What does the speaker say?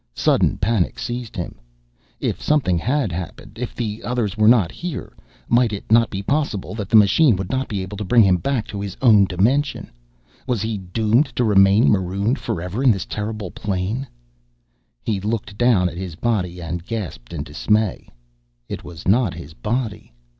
Sudden panic seized him. If something had happened, if the others were not here, might it not be possible that the machine would not be able to bring him back to his own dimension? Was he doomed to remain marooned forever in this terrible plane? He looked down at his body and gasped in dismay. It was not his body!